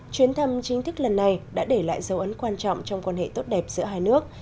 chuyến thăm chính thức lần này đã để lại dấu ấn quan trọng trong quan hệ tốt đẹp giữa hai nước